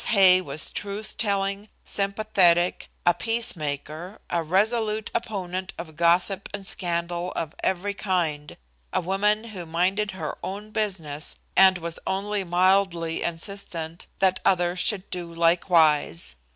Hay was truth telling, sympathetic, a peacemaker, a resolute opponent of gossip and scandal of every kind, a woman who minded her own business and was only mildly insistent that others should do likewise.